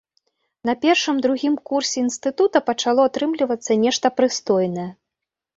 На першым-другім курсе інстытута пачало атрымлівацца нешта прыстойнае.